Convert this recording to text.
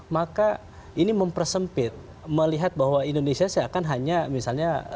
maka ini mempersempit melihat bahwa indonesia seakan hanya misalnya